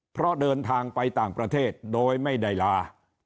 เพราะเดินทางไปต่างประเทศโดยไม่ได้ลา